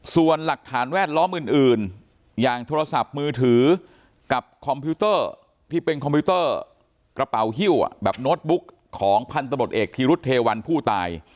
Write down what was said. ส่วนหลักฐานแวดล้อมอื่นอย่างโทรศัพท์มือถือกับคอมพิวเตอร์ที่เป็นคอมพิวเตอร์กระเป๋าฮิ้วแบบโน้ตบุ๊กของพันธบทเอกธีรุธเทวันผู้ตาย